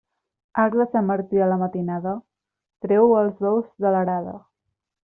Arc de Sant Martí a la matinada, treu els bous de l'arada.